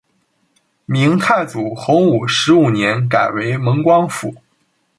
明太祖洪武十五年改为蒙光府。